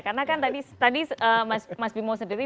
karena kan tadi mas bimo sendiri